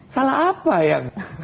salah apa ya